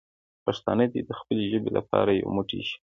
پښتانه دې د خپلې ژبې لپاره یو موټی شي.